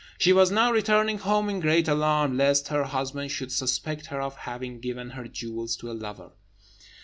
She was now returning home in great alarm lest her husband should suspect her of having given her jewels to a lover.